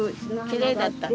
きれいだった。